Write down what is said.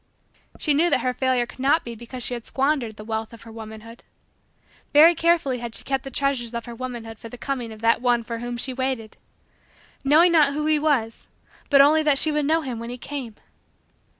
She knew that her failure could not be because she had squandered the wealth of her womanhood. Very carefully had she kept the treasures of her womanhood for the coming of that one for whom she waited knowing not who he was but only that she would know him when he came.